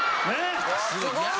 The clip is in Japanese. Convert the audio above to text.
すごい！